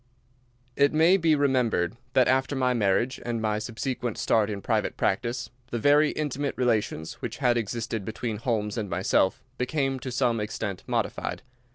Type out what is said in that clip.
It may be remembered that after my marriage, and my subsequent start in private practice, the very intimate relations which had existed between Holmes and myself became to some extent modified.